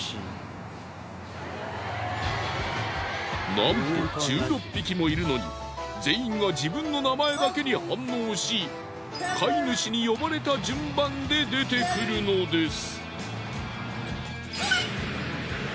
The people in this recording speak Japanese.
なんと１６匹もいるのに全員が自分の名前だけに反応し飼い主に呼ばれた順番で出てくるのです。